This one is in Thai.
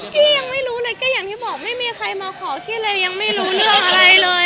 พี่ยังไม่รู้เลยก็อย่างที่บอกไม่มีใครมาขอกี้เลยยังไม่รู้เรื่องอะไรเลย